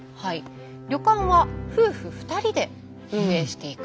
旅館は夫婦二人で運営していく。